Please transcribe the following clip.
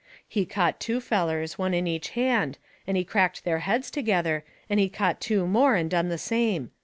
He caught two fellers, one in each hand, and he cracked their heads together, and he caught two more, and done the same.